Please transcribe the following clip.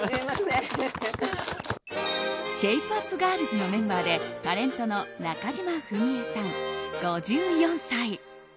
シェイプＵＰガールズのメンバーでタレントの中島史恵さん、５４歳。